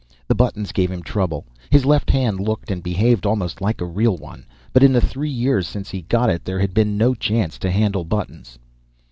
The buttons gave him trouble; his left hand looked and behaved almost like a real one, but in the three years since he got it, there had been no chance to handle buttons.